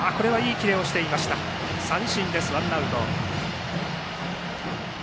三振でワンアウト。